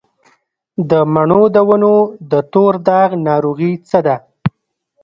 د مڼو د ونو د تور داغ ناروغي څه ده؟